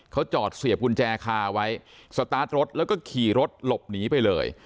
เขาจอดเสียบกุญแจคาไว้สตาร์ทรถแล้วก็ขี่รถหลบหนีไปเลย